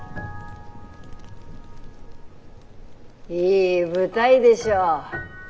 いい舞台でしょう。